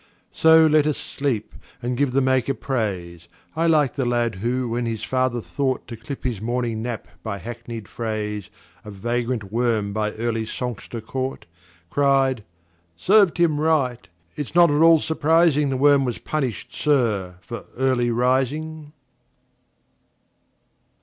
So let us sleep, and give the Maker praise.I like the lad who, when his father thoughtTo clip his morning nap by hackneyed phraseOf vagrant worm by early songster caught, Cried, "Served him right!—it 's not at all surprising; The worm was punished, sir, for early rising!"